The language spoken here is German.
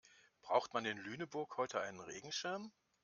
Braucht man in Lüneburg heute einen Regenschirm?